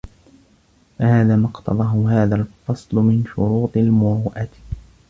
فَهَذَا مَا اقْتَضَاهُ هَذَا الْفَصْلُ مِنْ شُرُوطِ الْمُرُوءَةِ